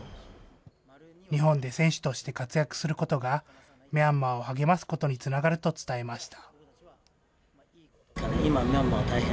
日本で選手として活躍することが、ミャンマーを励ますことにつながると伝えました。